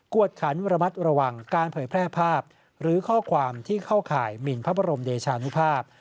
วดขันระมัดระวังการเผยแพร่ภาพหรือข้อความที่เข้าข่ายหมินพระบรมเดชานุภาพ